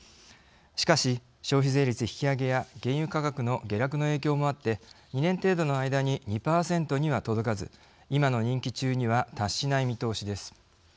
しかし、消費税率引き上げや原油価格の下落の影響もあって２年程度の間に２％には届かず今の任期中には達しない見通しです。